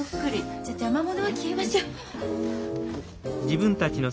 じゃ邪魔者は消えましょう。